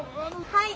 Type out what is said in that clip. はい。